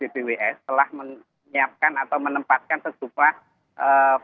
bws telah menyiapkan atau menempatkan sesuatu